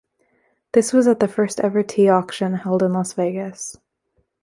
This was at the first ever tea auction held in Las Vegas.